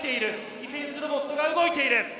ディフェンスロボットが動いている。